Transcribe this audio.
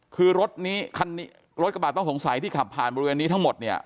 คือรถนี้รถกระบาดต้องสงสัยที่ขับผ่านบริเวณนี้ทั้งหมดเนี่ย